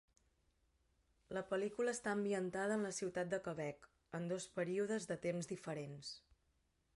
La pel·lícula està ambientada en la ciutat de Quebec, en dos períodes de temps diferents.